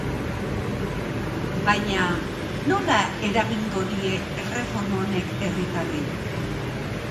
Baina, nola eragingo die erreforma honek herritarrei?